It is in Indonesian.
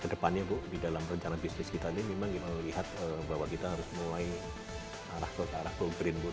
kedepannya bu di dalam rencana bisnis kita ini memang kita melihat bahwa kita harus mulai arah ke arah blueprint bu